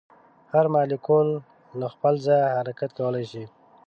هر مالیکول له خپل ځایه حرکت کولی شي.